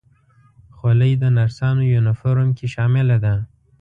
خولۍ د نرسانو یونیفورم کې شامله ده.